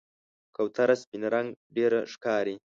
کوتره سپین رنګ ډېره ښکاري.